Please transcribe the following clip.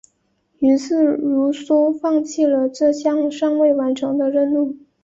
于是卢梭放弃了这项尚未完成的任务。